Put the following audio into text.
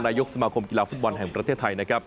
นายกสมาคมกีฬาฟุตบอลแห่งประเทศไทยนะครับ